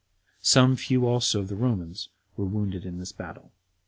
Some few also of the Romans were wounded in this battle.